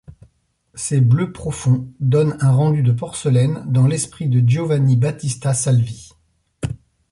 Ses bleus profonds donnent un rendu de porcelaine dans l'esprit de Giovanni Battista Salvi.